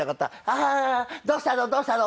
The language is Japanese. ハハどうしたのどうしたの？